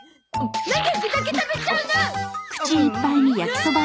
なんで具だけ食べちゃうの！？